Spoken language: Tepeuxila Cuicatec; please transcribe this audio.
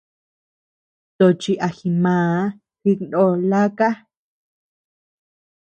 Tochi a jimàà jiknó laka.